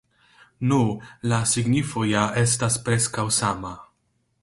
Nu, la signifo ja estas preskaŭ sama.